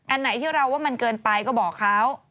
อันไหนที่เราว่ามันเกินไปก็บอกเขา